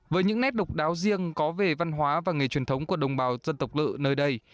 với những nét độc đáo riêng có về văn hóa và nghề truyền thống của đồng bào dân tộc lự nơi đây